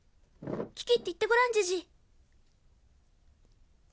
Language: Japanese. キキって言ってごらんジジ。